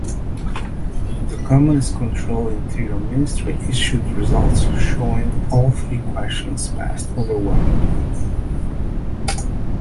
The communist-controlled Interior Ministry issued results showing that all three questions passed overwhelmingly.